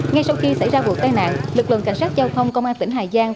ngay sau khi xảy ra vụ tai nạn lực lượng cảnh sát giao thông công an tỉnh hà giang